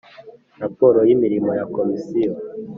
raporo y imirimo ya Komisiyo